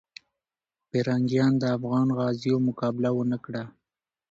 پرنګیان د افغان غازیو مقابله ونه کړه.